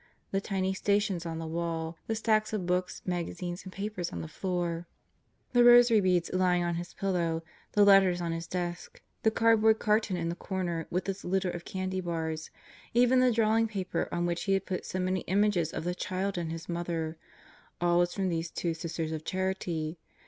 The tiny Stations on the wall, the stacks of books, magazines, and papers on the floor, the rosary beads lying on his pillow, the letters on his desk, the cardboard carton in the corner with its litter of candy bars, even the drawing paper on which he had put so many images of the Child and His Mother ... all was from these two Sisters of Charity.